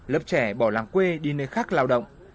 lớp trẻ bỏ làng quê đi nơi khác lao động